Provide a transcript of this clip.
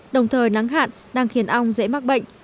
đồng thời nắng hạn đang khiến ong dễ mắc bệnh